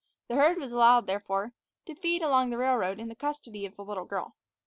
The herd was allowed, therefore, to feed along the railroad in the custody of the little girl.